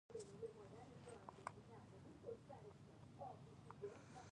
هلته له سرکښو خلکو سره سلوک بدلون موندلی دی.